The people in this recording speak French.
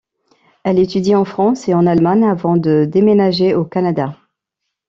Elle étudie en France et en Allemagne avant de déménager au Canada.